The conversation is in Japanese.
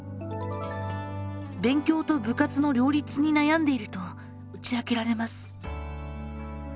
勉強と部活の両立に悩んでいると打ち明けられます。